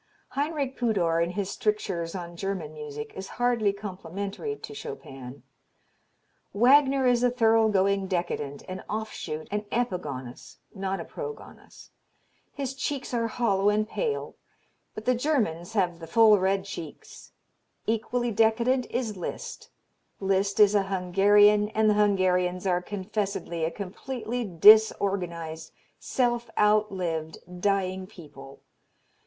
Heinrich Pudor in his strictures on German music is hardly complimentary to Chopin: "Wagner is a thorough going decadent, an off shoot, an epigonus, not a progonus. His cheeks are hollow and pale but the Germans have the full red cheeks. Equally decadent is Liszt. Liszt is a Hungarian and the Hungarians are confessedly a completely disorganized, self outlived, dying people.